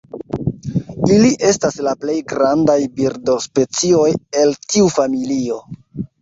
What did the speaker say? Ili estas la plej grandaj birdospecioj el tiu familio.